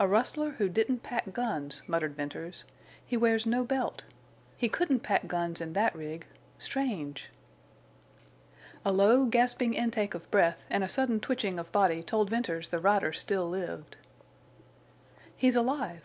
"A rustler who didn't pack guns!" muttered Venters. "He wears no belt. He couldn't pack guns in that rig.... Strange!" A low, gasping intake of breath and a sudden twitching of body told Venters the rider still lived. "He's alive!...